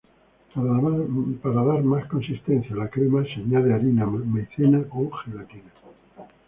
Para dar más consistencia a la crema se añade harina, maicena o gelatina.